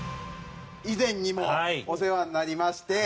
以前にもお世話になりまして。